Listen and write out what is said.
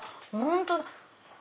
本当だ！